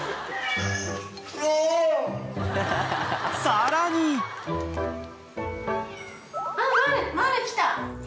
［さらに］マル来た。